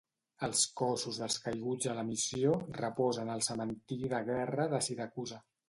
Els cossos dels caiguts a la missió reposen al Cementiri de Guerra de Siracusa.